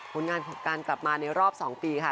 ผลงานของการกลับมาในรอบ๒ปีค่ะ